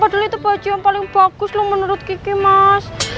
padahal itu baju yang paling bagus loh menurut kiki mas